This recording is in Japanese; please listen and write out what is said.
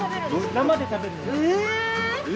生で食べる。え！